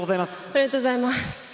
ありがとうございます。